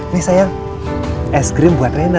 nih sayang es krim buat rena